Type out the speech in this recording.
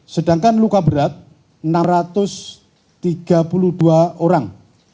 sedangkan luka berat enam ratus tiga puluh dua orang